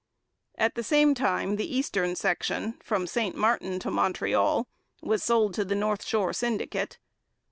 At the same time the eastern section, from St Martin to Montreal, was sold to the North Shore Syndicate.